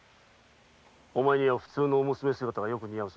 お前には普通の娘姿がよく似合う。